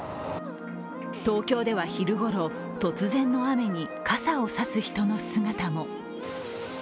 東京では昼ごろ、突然の雨に傘を差す人の姿も。